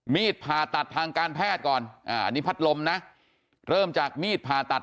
ผ่าตัดทางการแพทย์ก่อนอันนี้พัดลมนะเริ่มจากมีดผ่าตัด